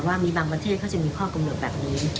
ว่ามีบางประเทศเขาจะมีข้อกำหนดแบบนี้